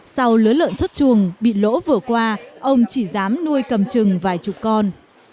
sau lứa lợn xuất chuồng bị lỗ vừa qua ông chỉ dám nuôi cầm trừng vài chục con